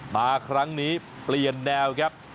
มาครั้งนี้เปลี่ยนแนวครับ